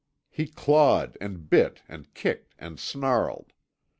He clawed and bit and kicked and snarled.